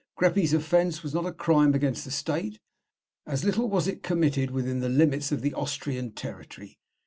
Greppi's offence was not a crime against the state; as little was it committed within the limits of the Austrian territory.